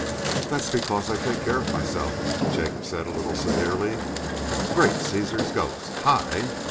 "That's because I take care of myself," Jacob said a little severely. "Great Cæsar's ghost! Hi!"